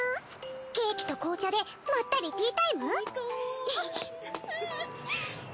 ケーキと紅茶でまったりティータイム？